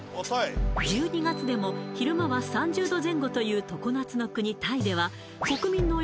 １２月でも昼間は３０℃前後という常夏の国